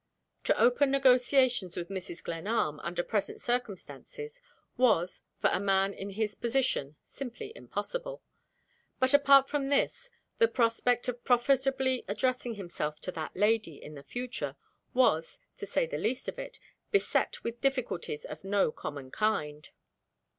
To open negotiations with Mrs. Glenarm, under present circumstances, was, for a man in his position, simply impossible. But, apart from this, the prospect of profitably addressing himself to that lady in the future was, to say the least of it, beset with difficulties of no common kind.